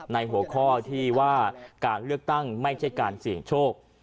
หัวข้อที่ว่าการเลือกตั้งไม่ใช่การเสี่ยงโชค